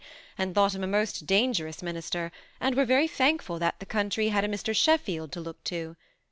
and thought him a most dangerous minister, and were very thankful that the country had a Mr. Sheffield to look to.